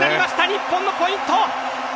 日本のポイント。